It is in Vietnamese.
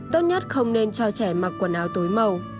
tốt nhất không nên cho trẻ mặc quần áo tối màu